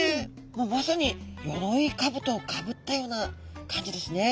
もうまさによろいかぶとをかぶったような感じですね。